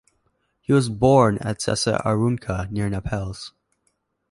He was born at Sessa Aurunca near Naples.